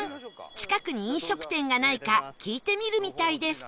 近くに飲食店がないか聞いてみるみたいです